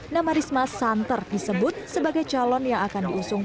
nama risma santer disebut sebagai calon yang akan diusung